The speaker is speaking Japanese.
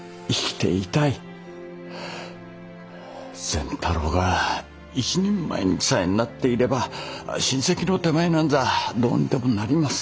善太郎が一人前にさえなっていれば親戚の手前なんざどうにでもなります。